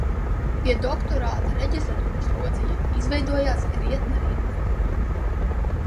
Pie doktorāta reģistratūras lodziņa izveidojās krietna rinda